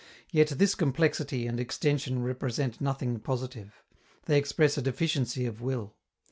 Yet this complexity and extension represent nothing positive; they express a deficiency of will.